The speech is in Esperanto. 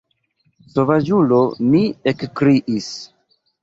Sovaĝulo mi ekkriis.